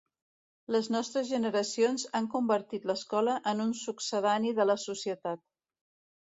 Les nostres generacions han convertit l'escola en un succedani de la societat.